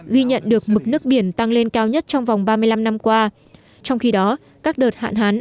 ghi nhận được mức nước biển tăng lên cao nhất trong vòng ba mươi năm năm qua trong khi đó các đợt hạn hán